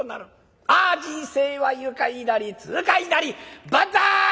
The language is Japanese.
ああ人生は愉快なり痛快なりバンザイ！』」。